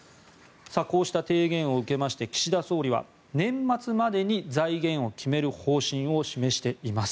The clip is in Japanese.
こうした提言を受けて岸田総理は年末までに財源を決める方針を示しています。